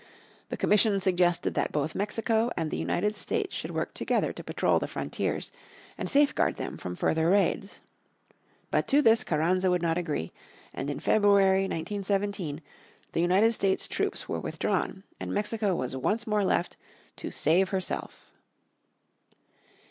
The Commission suggested that both Mexico and the United States should work together to patrol the frontiers, and safeguard them from further raids. But to this Carranza would not agree, and in February, 1917, the United States troops were withdrawn, and Mexico was once more left "to save herself."